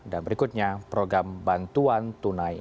dan berikutnya program bantuan tunai